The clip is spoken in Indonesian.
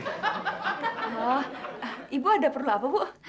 oh ibu ada perlu apa bu